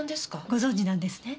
ご存じなんですね？